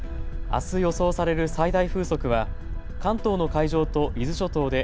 あす予想される最大風速は関東の海上と伊豆諸島で